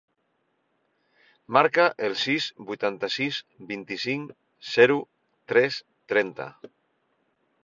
Marca el sis, vuitanta-sis, vint-i-cinc, zero, tres, trenta.